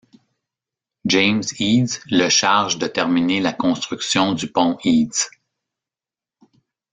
James Eads le charge de terminer la construction du pont Eads.